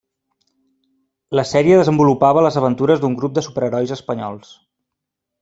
La sèrie desenvolupava les aventures d'un grup de superherois espanyols.